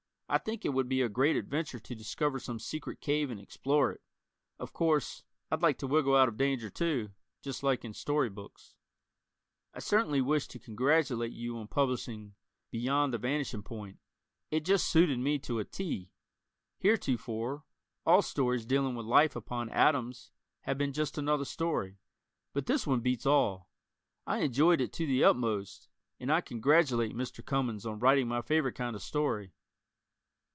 I think it would be a great adventure to discover some secret cave and explore it. Of course, I'd like to wiggle out of danger, too, just like in story books. I certainly wish to congratulate you on publishing "Beyond the Vanishing Point." It just suited me to a "T." Heretofore, all stories dealing with life upon atoms have been "just another story," but this one beats all. I enjoyed it to the utmost, and I congratulate Mr. Cummings on writing my favorite kind of story.